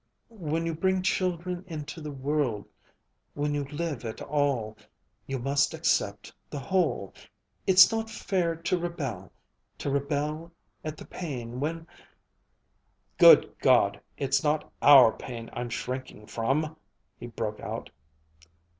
When you bring children into the world when you live at all you must accept the whole. It's not fair to rebel to rebel at the pain when " "Good God, it's not our pain I'm shrinking from !" he broke out.